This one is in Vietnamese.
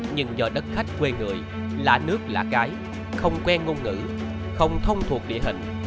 nhưng do đất khách quê người lạ nước lạ cái không quen ngôn ngữ không thông thuộc địa hình